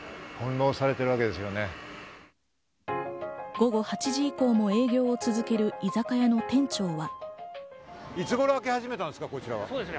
午後８時以降も営業を続ける居酒屋の店長は。